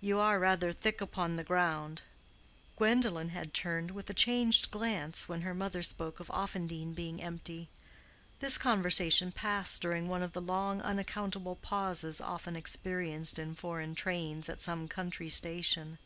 "You are rather thick upon the ground." Gwendolen had turned with a changed glance when her mother spoke of Offendene being empty. This conversation passed during one of the long unaccountable pauses often experienced in foreign trains at some country station.